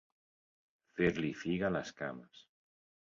Fer-li figa les cames.